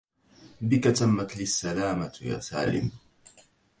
بك تمت لي السلامة يا سالم